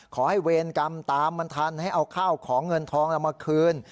เวรกรรมตามมันทันให้เอาข้าวของเงินทองมาคืน